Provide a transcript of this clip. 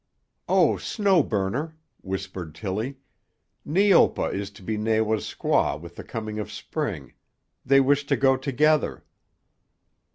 "Oh, Snow Burner," whispered Tillie, "Neopa is to be Nawa's squaw with the coming of Spring. They wish to go together."